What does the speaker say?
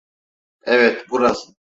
Evet, burası.